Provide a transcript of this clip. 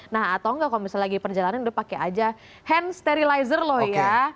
nah atau enggak kalau misalnya lagi perjalanan udah pakai aja hand sterilizer loh ya